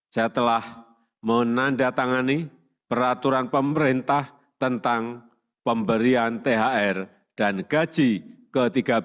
saya telah menandatangani peraturan pemerintah tentang pemberian thr dan gaji ke tiga belas